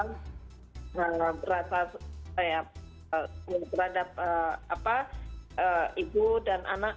nah berata saya terhadap apa ibu dan anak